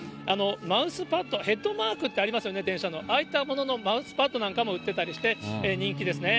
マウスパッド、ヘッドマークってありますよね、電車の、ああいったもののマウスパッドなんかも売ってたりして人気ですね。